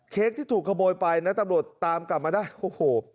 ที่ถูกขโมยไปนะตำรวจตามกลับมาได้โอ้โห